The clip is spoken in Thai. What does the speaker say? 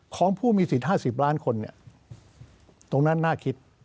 ของผู้มีสิทธิ์๕๐ล้านคนตรงนั้นน่าคิด